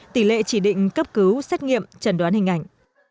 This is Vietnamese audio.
tỷ lệ chỉ định cấp cứu xét nghiệm trần đoán hình ảnh